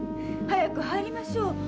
早く入りましょう。